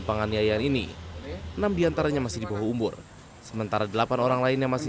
penganiayaan ini enam diantaranya masih dibawah umur sementara delapan orang lain yang masih